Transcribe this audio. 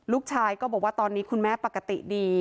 ลูกชายก็บอกว่าตอนนี้คุณแม่ปกติดี